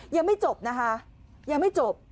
ยังไม่จบนะคะยังไม่จบ